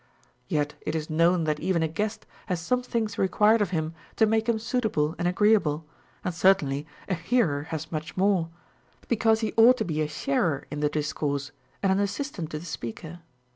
Yet it is known that even a guest has some things required of him to make him suitable and agreeable, and certainly a hearer has much more ; because he ought to be a sharer in the discourse and an assistant to the speaker.